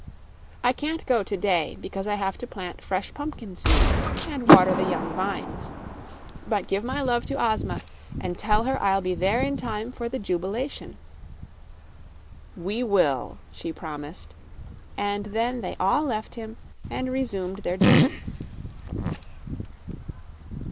I can't go to day, because I have to plant fresh pumpkin seeds and water the young vines. But give my love to Ozma, and tell her I'll be there in time for the jubilation." "We will," she promised; and then they all left him and resumed their journey.